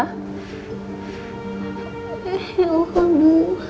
ya allah bu